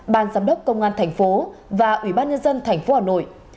ban giám đốc công an thành phố và ủy ban nhân dân thành phố hà nội